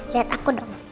lihat aku dong